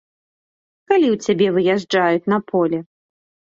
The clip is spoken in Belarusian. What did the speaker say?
Калі ў цябе выязджаюць на поле?